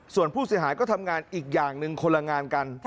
ส่วนผู้เสียหายก็ทำงานอีกอย่างหนึ่งคนละงานกัน